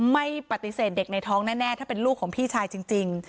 ไม่ปฏิเสธเด็กในท้องแน่ถ้าเป็นลูกของพี่ชายจริง